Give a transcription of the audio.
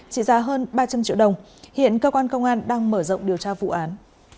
trị giá hơn ba trăm linh triệu đồng hiện cơ quan công an đang mở rộng điều tra vụ án